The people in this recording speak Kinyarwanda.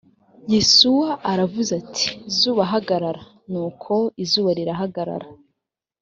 yosuwa aravuze ati zuba hagarara nuko izuba rirahagarara